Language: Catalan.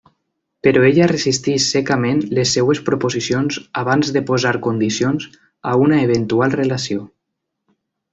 Però ella resisteix secament les seves proposicions abans de posar condicions a una eventual relació.